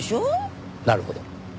なるほど。